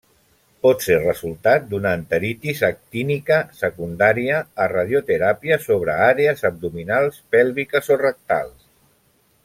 Pot ser resultat d'una enteritis actínica secundària a radioteràpia sobre àrees abdominals, pèlviques o rectals.